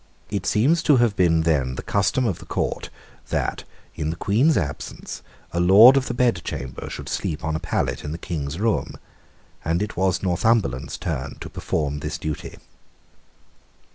It seems to have been then the custom of the court that, in the Queen's absence, a Lord of the Bedchamber should sleep on a pallet in the King's room; and it was Northumberland's turn to perform this duty.